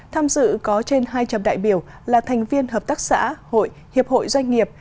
tham dự có trên hai trăm linh đại biểu là thành viên hợp tác xã hội hiệp hội doanh nghiệp